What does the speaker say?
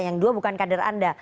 yang dua bukan kader anda